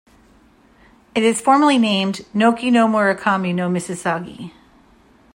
It is formally named "Nochi no Mukarami no misasagi".